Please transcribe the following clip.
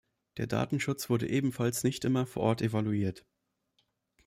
Der Datenschutz wurde ebenfalls nicht immer vor Ort evaluiert.